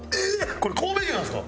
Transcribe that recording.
これ神戸牛なんですか？